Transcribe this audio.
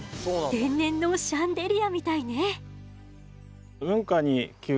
天然のシャンデリアみたいね。